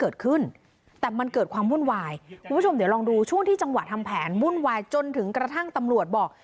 เดี๋ยวลองดูช่วงที่จังหวะทำแผนมุ่นวายจนถึงกระทั่งตำรวจบอก